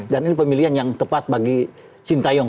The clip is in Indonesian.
dan ini pemilihan yang tepat bagi sintayong